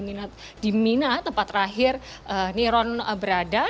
di mina tempat terakhir niron berada